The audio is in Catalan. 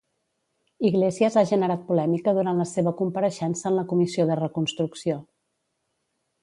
Iglesias ha generat polèmica durant la seva compareixença en la comissió de reconstrucció.